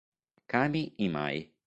Kami Imai